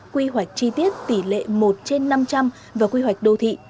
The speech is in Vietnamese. quy hoạch chi tiết tỷ lệ một trên năm trăm linh và quy hoạch đô thị